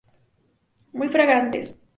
Muy fragantes.